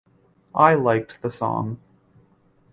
I liked the song.